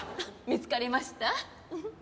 見つかりました？